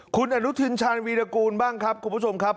คุณอนุทินชาญวีรกูลบ้างครับคุณผู้ชมครับ